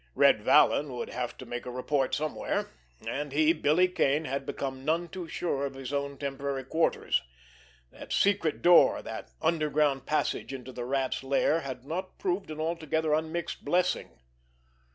Red Vallon would have to make a report somewhere, and he, Billy Kane, had become none too sure of his own temporary quarters—that secret door, that underground passage into the Rat's lair had not proved an altogether unmixed blessing!